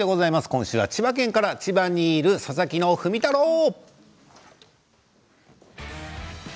今週は千葉県から千葉にいる佐々木のふみたろう。